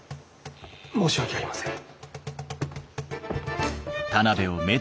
申し訳ありません。